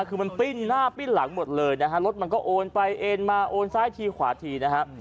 คือมันปิ้นหน้าปิ้นหลังหมดเลยนะฮะรถมันก็โอนไปโอนมาโอนซ้ายทีขวาทีนะฮะ